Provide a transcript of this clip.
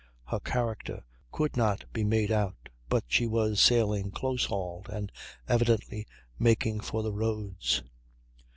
Her character could not be made out; but she was sailing close hauled, and evidently making for the roads.